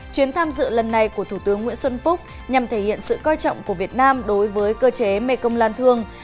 chuyến tham dự lần này của thủ tướng nguyễn xuân phúc nhằm thể hiện sự coi trọng của việt nam đối với cơ chế mekong lan thương